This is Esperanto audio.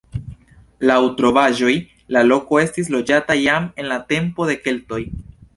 Laŭ trovaĵoj la loko estis loĝata jam en la tempo de keltoj.